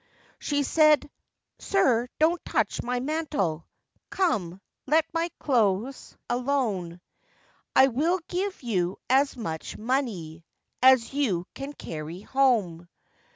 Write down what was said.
She said, 'Sir, don't touch my mantle, Come, let my clothes alone; I will give you as much monèy As you can carry home.